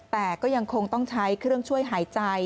แต่ก็ยังคงต้องใช้เครื่องช่วยหายใจ